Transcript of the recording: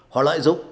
họ lợi giúp